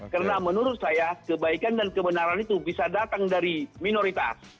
karena menurut saya kebaikan dan kebenaran itu bisa datang dari minoritas